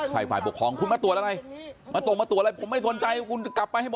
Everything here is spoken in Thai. ใส่ป่ายปกครองคุณมาตรวจอะไรมาโดรมาตรวจอะไร